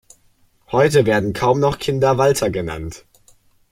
Heute werden kaum noch Kinder Walter genannt.